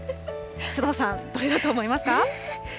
首藤さん、どれだと思いますか？